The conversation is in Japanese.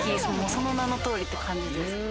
その名のとおりって感じです